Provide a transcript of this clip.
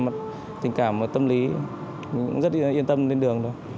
tình cảm và tâm lý mình cũng rất yên tâm lên đường rồi